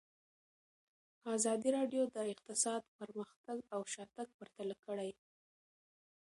ازادي راډیو د اقتصاد پرمختګ او شاتګ پرتله کړی.